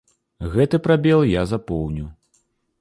Гэты прабел я запоўню.